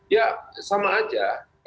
ya sama aja